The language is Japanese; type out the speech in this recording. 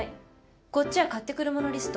こっちは買ってくるものリスト。